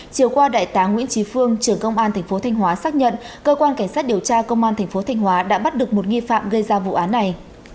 chiều qua đại tá nguyễn trí phương trưởng công an tp thành hóa xác nhận cơ quan cảnh sát điều tra công an tp thành hóa đã bắt được một nghi phạm gây ra vụ án này